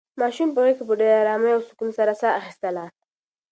ماشوم په غېږ کې په ډېرې ارامۍ او سکون سره ساه اخیستله.